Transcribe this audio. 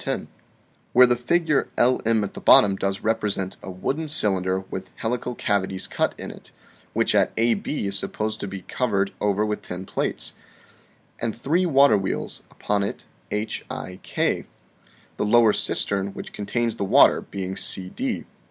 10): "Where the figure LM at the bottom does represent a wooden cylinder with helical cavities cut in it, which at AB is supposed to be covered over with tin plates, and three waterwheels, upon it, HIK; the lower cistern, which contains the water, being CD.